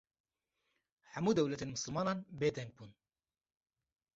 hemu dewletên mislimanan bê deng bûn